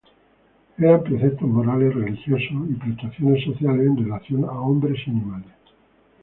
Eran preceptos morales, religiosos y prestaciones sociales en relación a hombres y animales.